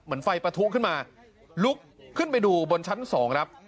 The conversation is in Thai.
เหมือนไฟประทูขึ้นมาลุกขึ้นไปดูบนชั้นสองนะครับ